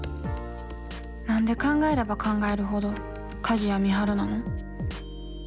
何で考えれば考えるほど鍵谷美晴なの？